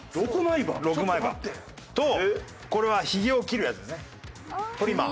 ６枚刃とこれはひげを切るやつですねトリマー。